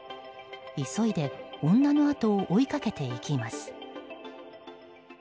急いで女のあとを追いかけていきます。